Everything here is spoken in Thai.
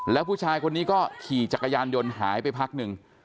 แล้วผู้ชายคนนี้ก็ขี่จักรยานยนต์หายไปพักหนึ่ง